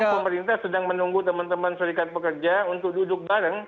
pemerintah sedang menunggu teman teman serikat pekerja untuk duduk bareng